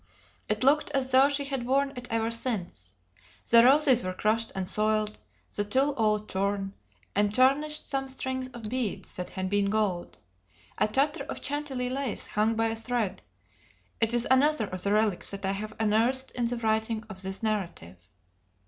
It looked as though she had worn it ever since. The roses were crushed and soiled, the tulle all torn, and tarnished some strings of beads that had been gold: a tatter of Chantilly lace hung by a thread: it is another of the relics that I have unearthed in the writing of this narrative.